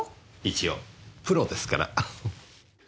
一応プロですから。